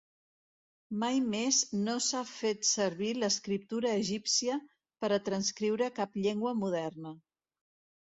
Mai més no s'ha fet servir l'escriptura egípcia per a transcriure cap llengua moderna.